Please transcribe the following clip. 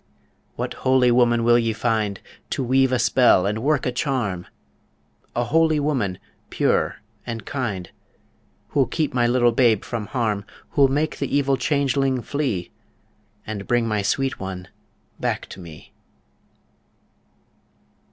What holy woman will ye find To weave a spell and work a charm? A holy woman, pure and kind, Who'll keep my little babe from harm Who'll make the evil changeling flee, And bring my sweet one back to me?